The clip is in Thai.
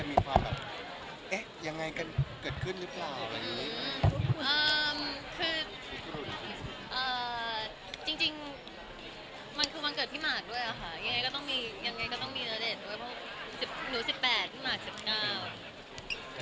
เอ่อคือจริงมันคือวันเกิดที่หมากด้วยค่ะยังไงก็ต้องมีระเด็ดด้วยหนู๑๘หมาก๑๙